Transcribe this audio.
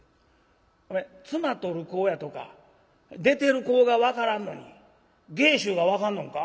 お前『褄取る妓』やとか『出てる妓』が分からんのに『芸衆』が分かんのんか？」。